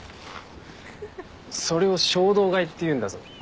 それを衝動買いっていうんだぞ。